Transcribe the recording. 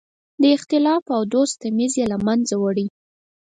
د اختلاف او دوست تمیز یې له منځه وړی.